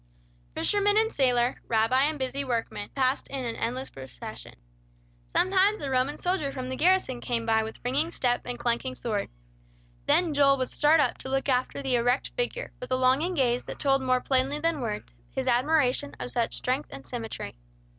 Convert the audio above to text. Fisherman and sailor, rabbi and busy workman passed in an endless procession. Sometimes a Roman soldier from the garrison came by with ringing step and clanking sword. Then Joel would start up to look after the erect figure, with a longing gaze that told more plainly than words, his admiration of such strength and symmetry.